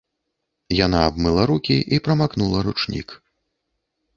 Яна абмыла рукі і прамакнула ручнік.